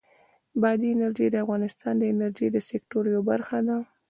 بادي انرژي د افغانستان د انرژۍ د سکتور یوه برخه ده.